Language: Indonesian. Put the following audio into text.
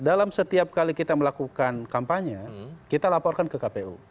dalam setiap kali kita melakukan kampanye kita laporkan ke kpu